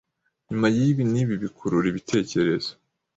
Nyuma yibi nibi bikurura ibitekerezo